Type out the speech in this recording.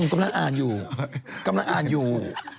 กำลังอ่านอยู่กำลังอ่านอยู่